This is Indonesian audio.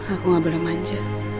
aku gak boleh manja